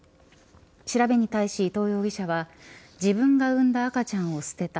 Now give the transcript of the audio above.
調べに対し伊藤容疑者は自分が産んだ赤ちゃんを捨てた。